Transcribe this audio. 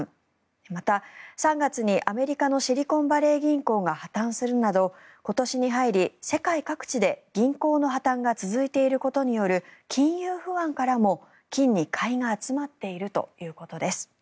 また、３月にアメリカのシリコンバレー銀行が破たんするなど今年に入り、世界各地で銀行の破たんが続いていることによる金融不安からも金に買いが集まっているということです。